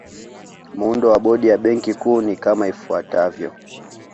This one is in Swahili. Muundo wa Bodi ya Benki Kuu ni kama ifuatavyo